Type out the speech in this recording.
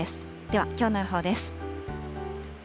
ではきょうの予報です。